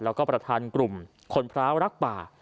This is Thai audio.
แล้วก็ประธานกลุ่มคนพร้าวรักป่า